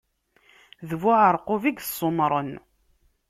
D bu uɛaṛqub i yessummṛen.